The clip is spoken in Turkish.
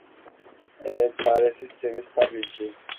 Eğer çaresizseniz tabii ki.